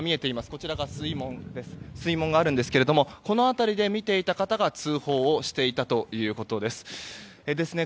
こちらが水門ですがこの辺りで見ていた方が通報していたということです。